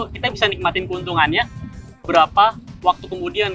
kita bisa nikmatin keuntungannya berapa waktu kemudian